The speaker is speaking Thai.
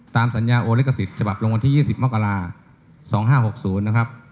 ตามสัญญาโอลิขสิทธิ์ฉบับลงวันที่๒๐มกรา๒๕๖๐นะครับ